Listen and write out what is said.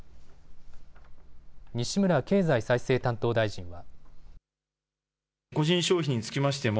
西村経済再生担当大臣は。